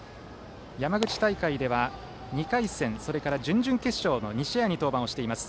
山口大会では、２回戦それから準々決勝の２試合に登板しています。